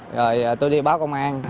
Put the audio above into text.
rồi tôi đi báo công an